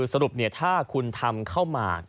สรุปเนี่ยถ้าคุณทำข้าวหมัก